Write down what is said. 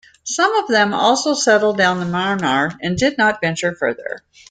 Some of them also settled down in Myanmar and did not venture further.